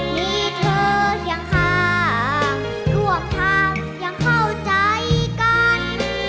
มีเธอเคียงข้างร่วมทางยังเข้าใจกัน